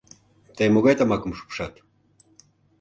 — Тый могай тамакым шупшат?